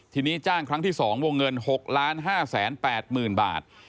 ทีนี้จ้างครั้งที่๒วงเงิน๖๕๘๐๐๐บาท